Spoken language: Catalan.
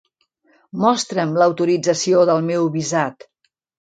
Mostra'm l'autorització del meu visat.